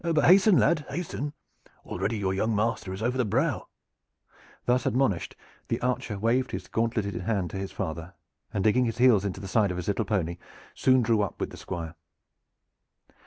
But hasten, lad, hasten! Already your young master is over the brow." Thus admonished, the archer waved his gauntleted hand to his father, and digging his heels into the sides of his little pony soon drew up with the Squire.